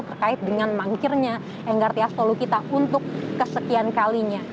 terkait dengan mangkirnya enggartia stolokita untuk kesekian kalinya